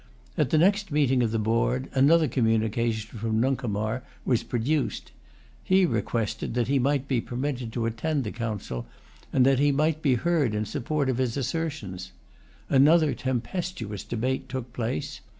At the next meeting of the board, another communication from Nuncomar was produced. He requested that he might be permitted to attend the Council, and that he[Pg 151] might be heard in support of his assertions. Another tempestuous debate took place.